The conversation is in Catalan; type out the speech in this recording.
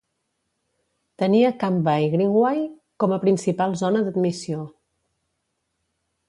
Tenia Kambah i Greenway com a principal zona d'admissió.